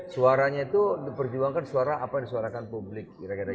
suaranya itu diperjuangkan suara apa yang disuarakan publik